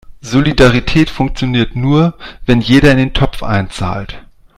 Solidarität funktioniert nur, wenn jeder in den Topf einzahlt.